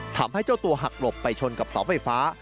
ทำให้เจ้าตัวหักหลบไปชนกับเสาไฟฟ้า